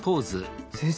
先生